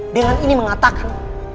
dengan ini mengatakan